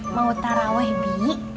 mau terawih bi